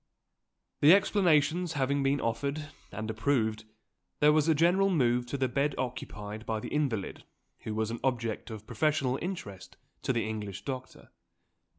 The explanations having been offered and approved, there was a general move to the bed occupied by the invalid who was an object of professional interest to the English doctor.